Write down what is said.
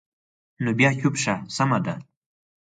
نو بیا چوپ شه، سمه ده.